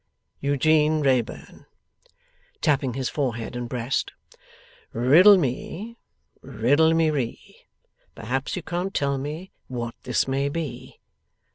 Eugene Wrayburn.' Tapping his forehead and breast. 'Riddle me, riddle me ree, perhaps you can't tell me what this may be?